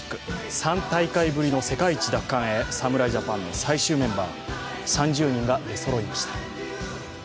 ３大会ぶりの世界一奪還へ、侍ジャパンの最終メンバー３０人が出そろいました。